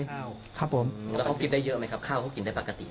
แล้วเค้ากินได้เยอะไหมครับข้าวกินได้ปกติ